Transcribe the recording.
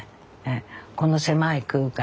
この狭い空間で。